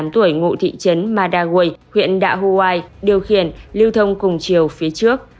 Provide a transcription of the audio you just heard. một mươi tám tuổi ngụ thị trấn madawai huyện đạ hawaii điều khiển lưu thông cùng chiều phía trước